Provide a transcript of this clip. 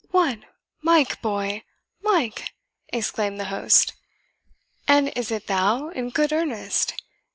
"What, Mike, boy Mike!" exclaimed the host; "and is it thou, in good earnest?